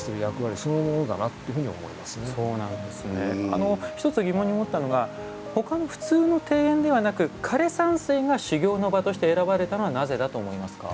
あの一つ疑問に思ったのがほかの普通の庭園ではなく枯山水が修行の場として選ばれたのはなぜだと思いますか？